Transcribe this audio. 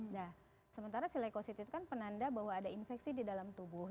nah sementara silekosit itu kan penanda bahwa ada infeksi di dalam tubuh